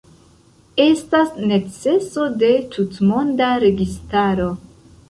Estas neceso de tutmonda registaro.